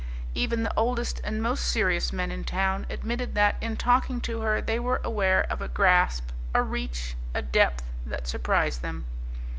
Even the oldest and most serious men in town admitted that in talking to her they were aware of a grasp, a reach, a depth that surprised them.